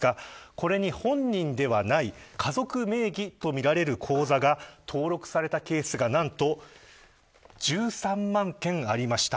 これに本人ではない家族名義とみられる口座が登録されたケースが何と１３万件ありました。